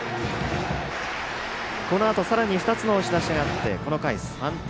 このあとさらに２つの押し出しがあってこの回、３点。